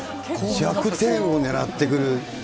弱点を狙ってくるね。